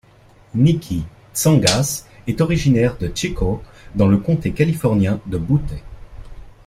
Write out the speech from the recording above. Niki Tsongas est originaire de Chico dans le comté californien de Butte.